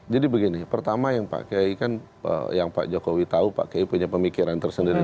begini pertama yang pak kiai kan yang pak jokowi tahu pak kiai punya pemikiran tersendiri